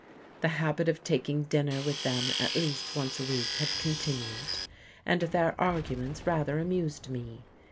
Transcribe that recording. The habit of taking dinner with them at least once a week had continued, and their arguments rather amused me.